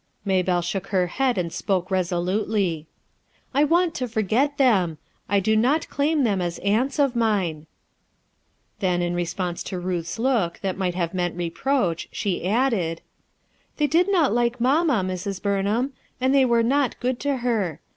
Maybellc shook her head and spoke resolutely. u l want to forget them ; I do not claim them as aunts of mine/' Then, in response to Ruth's look that might have meant reproach, die added :— "They did not like mamma, Mrs. Burnham, and they were not good to her.